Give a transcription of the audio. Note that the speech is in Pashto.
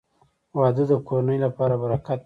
• واده د کورنۍ لپاره برکت دی.